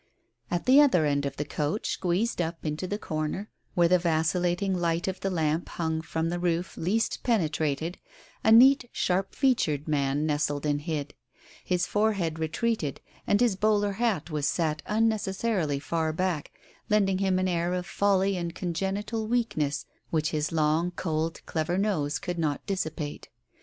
At the other end of the coach, squeezed up into the corner where the vacillating light of the lamp hung from the roof least penetrated, a neat, sharp featured man nestled and hid. His forehead retreated, and his bowler hat was set unnecessarily far back, lending him an air of folly and congenital weakness which his long, cold, clever nose could not dissipate.